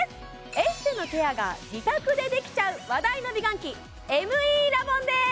エステのケアが自宅でできちゃう話題の美顔器ＭＥラボンです！